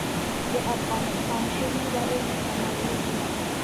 د افغانستان ژوي ولې متنوع دي؟